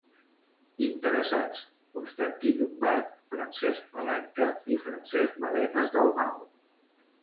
Interessats: Constantí Llombart, Francesc Palanca i Francesc Badenes Dalmau.